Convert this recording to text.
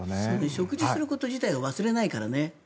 食事すること自体は忘れないからね。